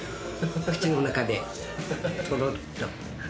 口の中でとろっと。